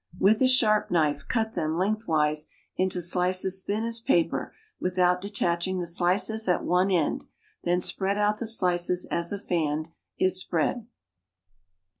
With a sharp knife cut them, lengthwise, into slices thin as paper, without detaching the slices at one end; then spread out the slices as a fan is spread.